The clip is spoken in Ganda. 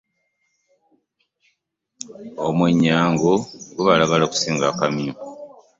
Omwennyango gubalagala okusinga kamyu.